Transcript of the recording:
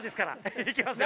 いきますよ。